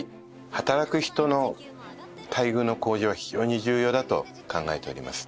働く人の待遇の向上は非常に重要だと考えております。